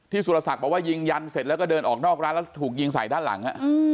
สุรศักดิ์บอกว่ายิงยันเสร็จแล้วก็เดินออกนอกร้านแล้วถูกยิงใส่ด้านหลัง